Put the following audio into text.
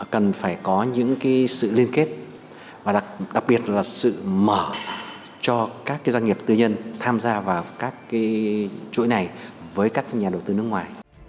cần phải có những sự liên kết và đặc biệt là sự mở cho các doanh nghiệp tư nhân tham gia vào các chuỗi này với các nhà đầu tư nước ngoài